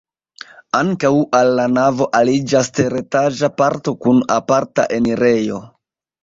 Ankaŭ al la navo aliĝas teretaĝa parto kun aparta enirejo.